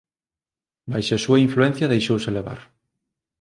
Baixo a súa influencia deixouse levar